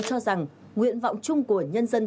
cho rằng nguyện vọng chung của nhân dân